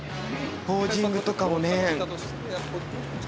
ポージングとかもね。